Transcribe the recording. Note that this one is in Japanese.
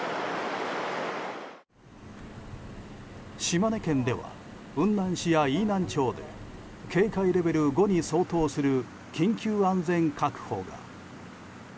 島根県では雲南市や飯南町で警戒レベル５に相当する緊急安全確保が。